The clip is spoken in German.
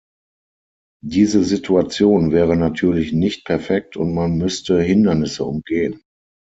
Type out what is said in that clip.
Diese Situation wäre natürlich nicht perfekt und man müsste Hindernisse umgehen.